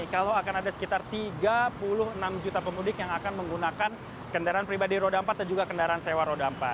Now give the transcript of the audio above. kalau akan ada sekitar tiga puluh enam juta pemudik yang akan menggunakan kendaraan pribadi roda empat dan juga kendaraan sewa roda empat